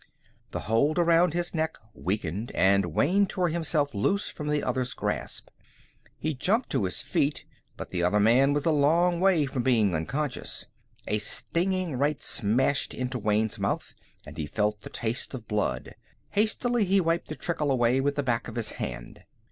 The hold around his neck weakened, and Wayne tore himself loose from the other's grasp. He jumped to his feet, but the other man was a long way from being unconscious. A stinging right smashed into Wayne's mouth, and he felt the taste of blood. Hastily he wiped the trickle away with the back of his hand.